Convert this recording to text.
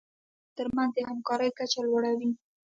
دوی د هیوادونو ترمنځ د همکارۍ کچه لوړوي